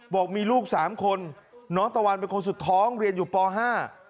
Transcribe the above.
บอกมีลูกสามคนน้องตะวันเป็นคนสุดท้องเรียนอยู่ปห้า